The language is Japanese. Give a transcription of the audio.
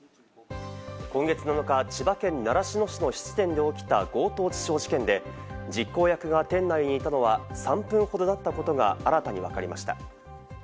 今月７日、千葉県習志野市の質店で起きた強盗致傷事件で、実行役が店内にいたのは３分ほどだったことが、新たにわかりました。